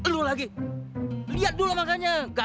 lu lagi lihat dulu makanya